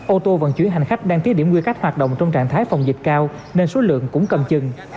ô tô vận chuyển hành khách đang tí điểm quy khách hoạt động trong trạng thái phòng dịch cao nên số lượng cũng cầm chừng